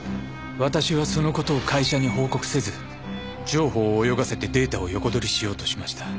私はその事を会社に報告せず城宝を泳がせてデータを横取りしようとしました。